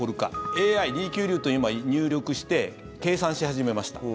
ＡＩ、２九龍と今、入力して計算し始めました。